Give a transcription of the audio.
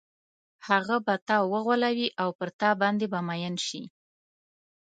هغه به تا وغولوي او پر تا باندې به مئین شي.